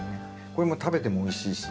これも食べてもおいしいし。